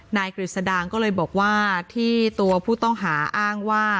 กฤษดางก็เลยบอกว่าที่ตัวผู้ต้องหาอ้างว่า